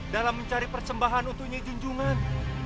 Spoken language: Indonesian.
dalam mencari persembahan untuk nyi junjungan